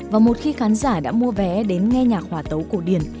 và một khi khán giả đã mua vé đến nghe nhạc hòa tấu cổ điển